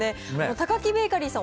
タカキベーカリーさん